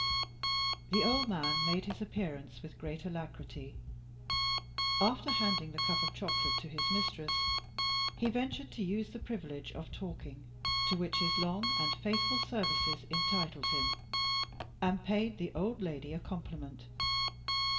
The old man made his appearance with great alacrity. After handing the cup of chocolate to his mistress, he ventured to use the privilege of talking, to which his long and faithful services entitled him, and paid the old lady a compliment.